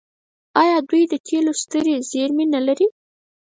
آیا دوی د تیلو سترې زیرمې نلري؟